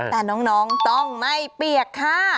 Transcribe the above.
แต่น้องต้องไม่เปียกค่ะ